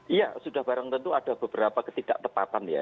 iya sudah barang tentu ada beberapa ketidaktepatan ya